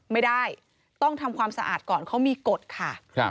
ไม่ได้ต้องทำความสะอาดก่อนเขามีกฎค่ะ